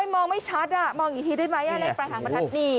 มองไม่ชัดมองอีกทีได้ไหมเลขปลายหางประทัดนี่